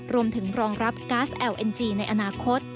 รวมถึงรองรับ๊สแอวเอ็นจ์ในอนาคต